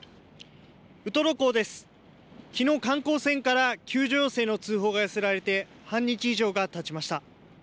きのう、観光船から救助要請の通報が寄せられて、半日以上がたちました。